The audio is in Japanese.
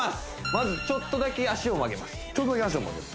まずちょっとだけ脚を曲げます